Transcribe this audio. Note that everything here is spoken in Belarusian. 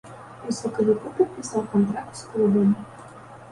У сакавіку падпісаў кантракт з клубам.